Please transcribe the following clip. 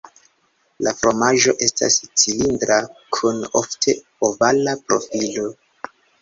La fromaĝo estas cilindra kun ofte ovala profilo.